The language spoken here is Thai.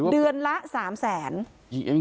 เดือนละ๓๐๐๐๐๐บาท